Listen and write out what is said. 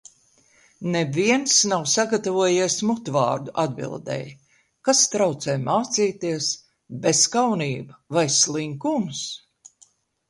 Neviens nav sagatavojies mutvārdu atbildei. Kas traucē mācīties? Bezkaunība vai slinkums?